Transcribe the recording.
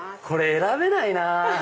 これ選べないなぁ。